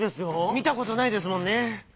みたことないですもんね。